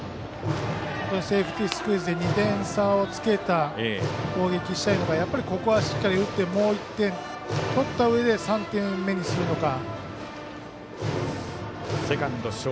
セーフティースクイズで２点差をつけた攻撃をしたいのかやっぱりここはしっかり打ってもう１点取ったうえで３点目にするのか。